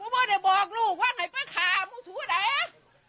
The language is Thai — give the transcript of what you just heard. กูบอกให้บอกลูกว่าให้ไปขามูสัวไหนอะ